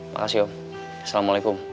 makasih om assalamualaikum